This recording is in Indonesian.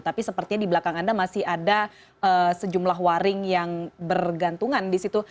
tapi sepertinya di belakang anda masih ada sejumlah waring yang bergantungan di situ